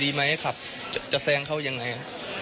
ดีไหมขับจะแซงเขายังไง